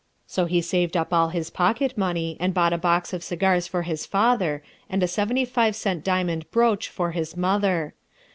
So he saved up all his pocket money and bought a box of cigars for his father and a seventy five cent diamond brooch for his mother.